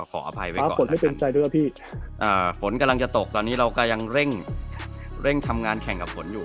ขออภัยไว้ก่อนนะครับฝนกำลังจะตกตอนนี้เราก็ยังเร่งทำงานแข่งกับฝนอยู่